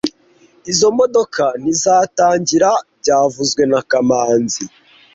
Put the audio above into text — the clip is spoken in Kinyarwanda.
Izoi modoka ntizatangira byavuzwe na kamanzi